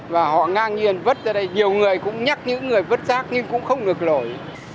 và họ ngang nhiên vứt ra đây nhiều người cũng nhắc những người vứt rác nhưng cũng không được lỗi